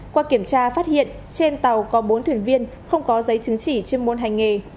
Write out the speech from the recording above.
qua kiểm tra phát hiện trên tàu có bốn thuyền viên không có giấy chứng chỉ chuyên môn hành nghề